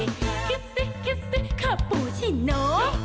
คิดซิคิดซิข้าวปูชิโน้